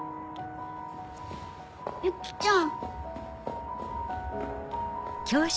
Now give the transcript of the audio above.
雪ちゃん。